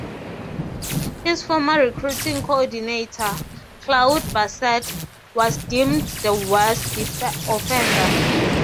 His former recruiting coordinator, Claude Bassett, was deemed the worst offender.